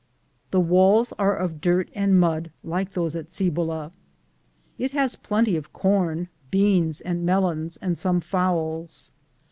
The walls are of dirt and mud like thoae at Cibola. It has plenty of corn, beans and melons, and some fowls.